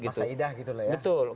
masa idah gitu lah ya